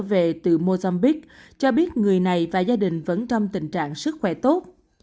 về từ mozambique cho biết người này và gia đình vẫn trong tình trạng sức khỏe tốt